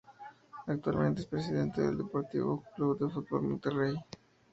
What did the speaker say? Actualmente es presidente deportivo del Club de Fútbol Monterrey.